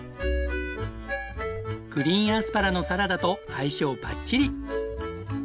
グリーンアスパラのサラダと相性バッチリ！